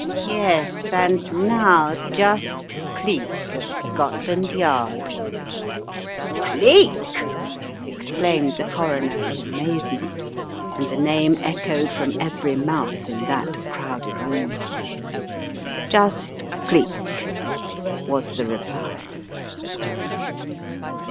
"Yes, and now — just Cleek, of Scotland Yard," came the reply. " Cleek I" exclaimed the Coroner in amazement, and the name echoed from every mouth in that crowded room. "Just Cleek," was the reply.